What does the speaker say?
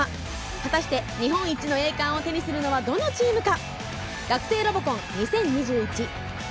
果たして、日本一の栄冠を手にするのはどのチームか？